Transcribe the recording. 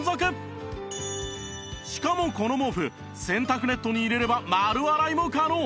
しかもこの毛布洗濯ネットに入れれば丸洗いも可能！